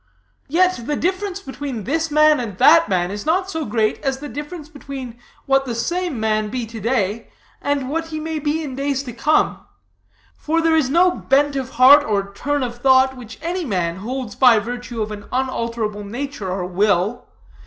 Yet the difference between this man and that man is not so great as the difference between what the same man be to day and what he may be in days to come. For there is no bent of heart or turn of thought which any man holds by virtue of an unalterable nature or will.